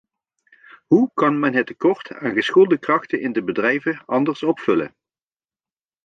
Hoe kan men het tekort aan geschoolde krachten in de bedrijven anders opvullen?